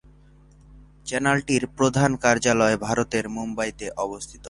চ্যানেলটির প্রধান কার্যালয় ভারতের মুম্বইতে অবস্থিত।